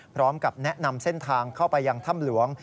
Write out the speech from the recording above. พร้อมกับแนะนำเส้นทางเข้าไปยังถ้ำหลวง